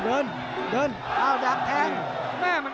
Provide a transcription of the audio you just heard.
โดนท่องโดนท่องมีอาการ